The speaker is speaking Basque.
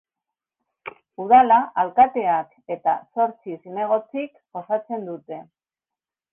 Udala alkateak eta zortzi zinegotzik osatzen dute.